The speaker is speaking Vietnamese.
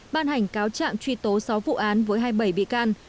ban hành cáo trạng truy tố sáu vụ án với hai mươi bảy bị can